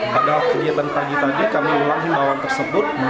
pada kegiatan pagi tadi kami ulang himbawan tersebut